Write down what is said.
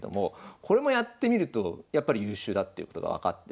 これもやってみるとやっぱり優秀だっていうことが分かってですね。